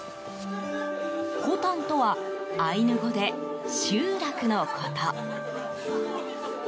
コタンとはアイヌ語で集落のこと。